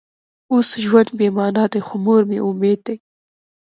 اوس ژوند بې معنا دی خو مور مې امید دی